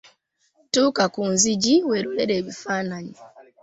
Tuuka ku nzigi weelolere ebifaananyi.